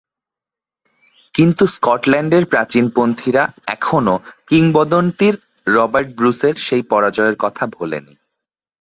কিন্তু স্কটল্যান্ডের প্রাচীনপন্থীরা এখনো কিংবদন্তির রবার্ট ব্রুসের সেই পরাজয়ের কথা ভোলেনি।